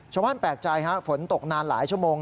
แปลกใจฮะฝนตกนานหลายชั่วโมง